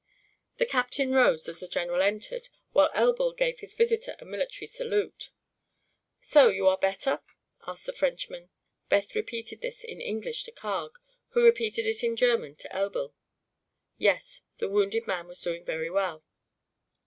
The captain rose as the general entered, while Elbl gave his visitor a military salute. "So you are better?" asked the Frenchman. Beth repeated this in English to Carg, who repeated it in German to Elbl. Yes, the wounded man was doing very well.